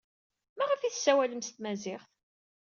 Maɣef ay tessawalem s tmaziɣt?